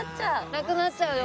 なくなっちゃうよ